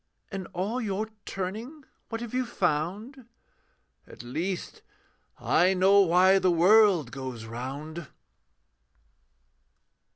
'In all your turning, what have you found?' 'At least, I know why the world goes round.'